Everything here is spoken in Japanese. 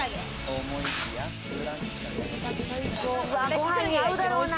ご飯に合うだろうな。